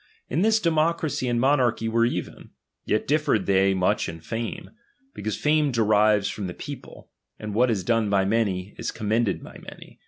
In this democracy and mo narchy were even ; yet differed they much in fame. Because fame derives from the people ; and what is done by many, is commended by many.